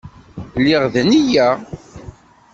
Lliɣ d nneyya.